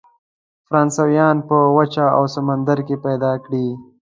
فرانسویان په وچه او سمندر کې پیدا کړي.